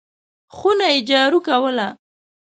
خونه یې جارو کوله !